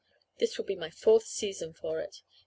This will be my fourth season for it.